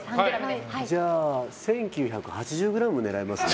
じゃあ１９８０ｇ狙いますね。